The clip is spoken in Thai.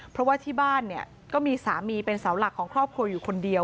เพราะว่าที่บ้านเนี่ยก็มีสามีเป็นเสาหลักของครอบครัวอยู่คนเดียว